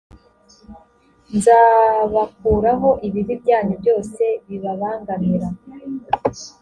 nzabakuraho ibibi byanyu byose bibabangamira